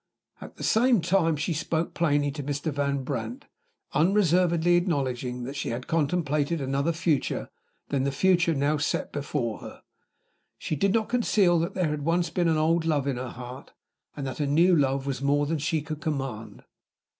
At the same time, she spoke plainly to Mr. Van Brandt, unreservedly acknowledging that she had contemplated another future than the future now set before her. She did not conceal that there had once been an old love in her heart, and that a new love was more than she could command.